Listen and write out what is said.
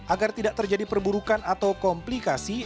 agar tidak terjadi perburukan atau komplikasi